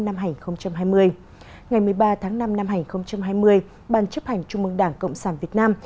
ngày một mươi ba tháng năm năm hai nghìn hai mươi ban chấp hành trung mương đảng cộng sản việt nam